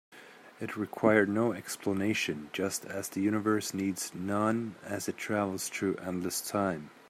It required no explanation, just as the universe needs none as it travels through endless time.